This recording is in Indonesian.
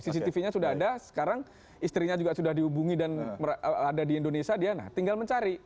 cctv nya sudah ada sekarang istrinya juga sudah dihubungi dan ada di indonesia dia nah tinggal mencari